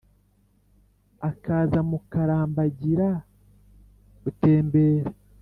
akaza mukarambagira(gutembera)"